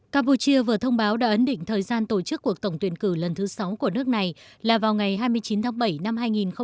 campuchia vừa thông báo đã ấn định thời gian tổ chức cuộc tổng tuyển cử lần thứ sáu của nước này là vào ngày hai mươi chín tháng bảy năm hai nghìn một mươi chín